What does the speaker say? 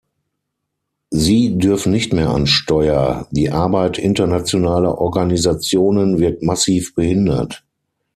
Sie dürfen nicht mehr ans Steuer, die Arbeit internationaler Organisationen wird massiv behindert.